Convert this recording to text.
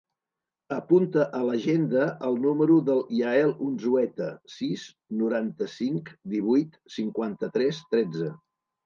Apunta a l'agenda el número del Yael Unzueta: sis, noranta-cinc, divuit, cinquanta-tres, tretze.